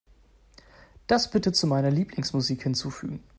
Das bitte zu meiner Lieblingsmusik hinzufügen.